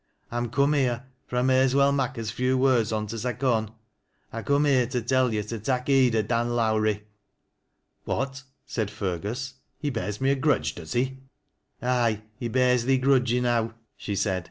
I'm come here — fur I may as well mak' as few words on't as I con — I come here to tell yo' to tak' heed o' Dan Lowrie." •'' What ?" said Fergus. " He bears me a grudge, does he?" "Aye, he bears thee grudge enow," she said.